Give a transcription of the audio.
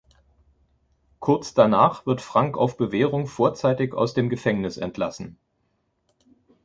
Kurz danach wird Frank auf Bewährung vorzeitig aus dem Gefängnis entlassen.